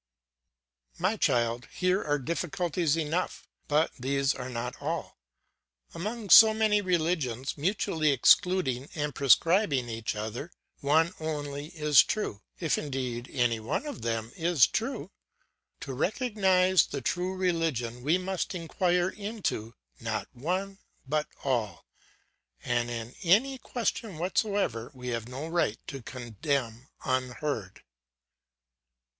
"My child, here are difficulties enough, but these are not all. Among so many religions, mutually excluding and proscribing each other, one only is true, if indeed any one of them is true. To recognise the true religion we must inquire into, not one, but all; and in any question whatsoever we have no right to condemn unheard.